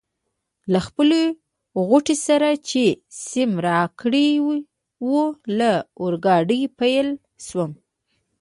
له خپلې غوټې سره چي سیم راکړې وه له اورګاډي پلی شوم.